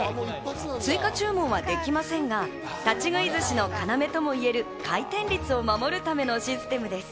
追加注文はできませんが立ち食い寿司の要ともいえる回転率を守るためのシステムです。